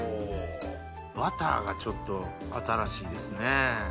バターがちょっと新しいですね。